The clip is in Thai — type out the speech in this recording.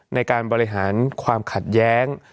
ในการบริหารความขัดแย้ง